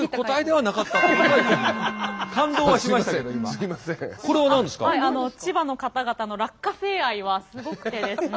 はい千葉の方々の落花生愛はすごくてですね